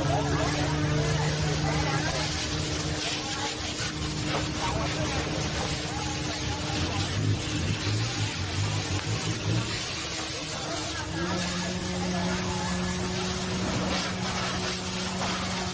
โอ้โห